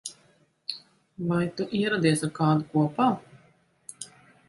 Vai tu ieradies ar kādu kopā?